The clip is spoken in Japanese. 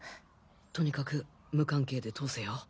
とにかく無関係で通せよ。